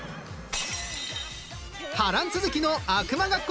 波乱続きの悪魔学校